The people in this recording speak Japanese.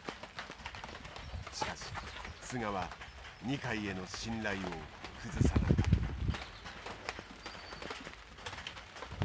しかし菅は二階への信頼を崩さなかった。